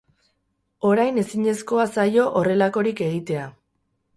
Orain ezinezkoa zaio horrelakorik egitea.